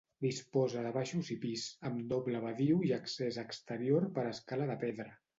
Disposa de baixos i pis, amb doble badiu i accés exterior per escala de pedra.